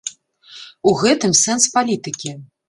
У гэтым сэнс палітыкі.